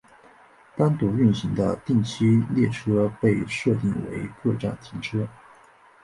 单独运行的定期列车被设定为各站停车。